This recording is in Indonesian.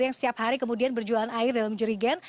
yang setiap hari kemudian berjualan air dalam jerigen